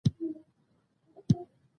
دا پنځه اصول په عامې قاعدې بدلېدلی شي.